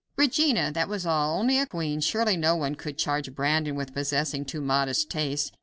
"Regina!" That was all. Only a queen! Surely no one could charge Brandon with possessing too modest tastes.